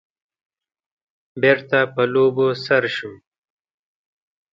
بېرته په لوبو سر شو.